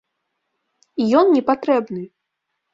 І ён не патрэбны!